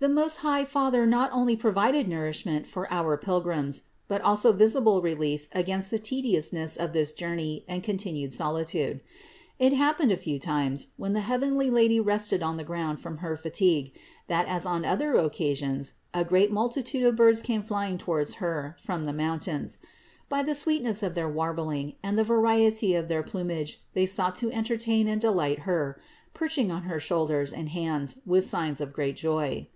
636. The most high Father not only provided nourish ment for our Pilgrims, but also visible relief against the tediousnees of this journey and continued solitude. It happened a few times, when the heavenly Lady rested on the ground from her fatigue, that, as on other occasions, a great multitude of birds came flying towards Her from the mountains. By the sweetness of their warbling and the variety of their plumage they sought to entertain and delight Her, perching on her shoulders and hands with signs of great joy.